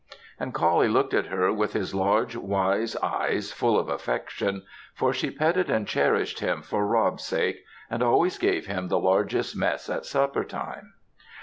And Coullie looked at her with his large wise eyes full of affection; for she petted and cherished him for Rob's sake, and always gave him the largest mess at supper time.